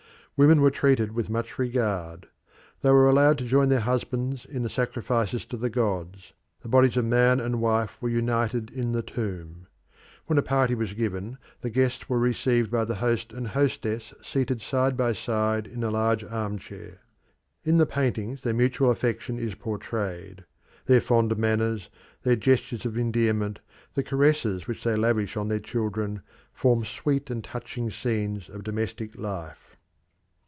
Women were treated with much regard. They were allowed to join their husbands in the sacrifices to the gods; the bodies of man and wife were united in the tomb. When a party was given the guests were received by the host and hostess seated side by side in a large armchair. In the paintings their mutual affection is portrayed. Their fond manners, their gestures of endearment, the caresses which they lavish on their children, form sweet and touching scenes of domestic life.